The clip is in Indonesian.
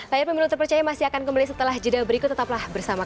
layar pemilu terpercaya masih akan kembali setelah jeda berikut tetaplah bersama kami